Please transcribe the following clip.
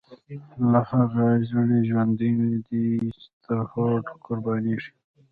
لا هغه ژڼۍ ژوندۍ دی، چی تر هوډه قربانیږی